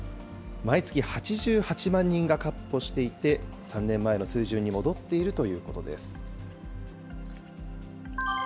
毎月８８万人がかっ歩していて、３年前の水準に戻っているということです。